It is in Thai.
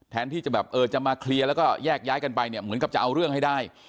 แทนที่จะมาเคลียร์แล้วก็แยกย้ายกันไปเหมือนกับจะเอาเรื่องให้ได้